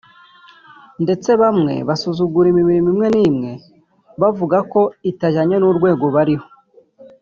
ndetse bamwe basuzugura imirimo imwe n’imwe bavuga ko itajyanye n’urwego bariho